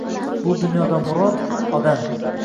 Bu dunyodan murod — odam